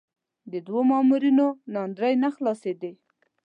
د دوو مامورینو ناندرۍ نه خلاصېدې.